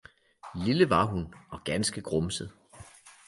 lille var hun og ganske grumset.